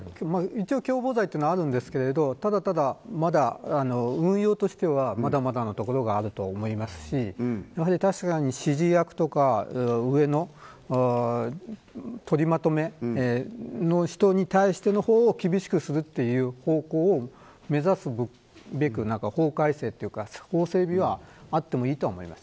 共謀罪はあるんですけど運用としてはまだまだのところがあると思いますし指示役とか上の取りまとめ役の人に対しての方を厳しくするという方向を目指すべく、法改正というか法整備があってもいいと思います。